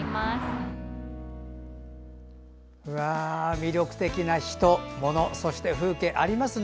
魅力的な人、ものそして風景がありますね。